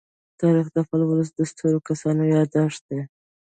تاریخ د خپل ولس د سترو کسانو يادښت دی.